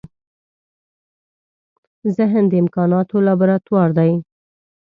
ذهن د امکانونو لابراتوار دی.